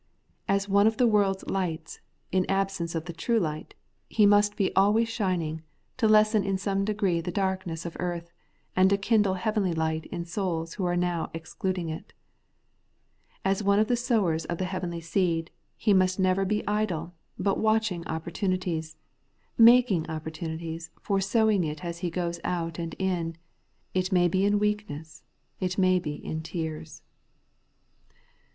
As one of the world's 204 The EvtrlastiKg BigTUeousruss, lights, in the absence of the trae light, lie must be always shining, to lessen in some d^ree the dark ness of earth, and to kindle heavenly light in souls who are now excluding it As one of the sowers of the heavenly seed, he must never be idle, but watching opportunities, — making opportunities for sowing it as he goes out and in; it may be in weakness, it may be in tears.